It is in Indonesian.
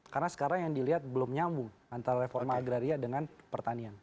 karena sekarang yang dilihat belum nyambung antara reforma agraria dengan pertanian